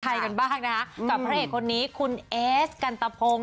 กันบ้างนะคะกับพระเอกคนนี้คุณเอสกันตะพงศ